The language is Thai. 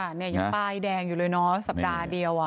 นี่ยังป้ายแดงอยู่เลยเนาะสัปดาห์เดียว